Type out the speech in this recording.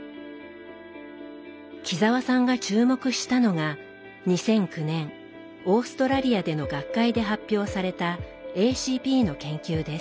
木澤さんが注目したのが２００９年オーストラリアでの学会で発表されたＡＣＰの研究です。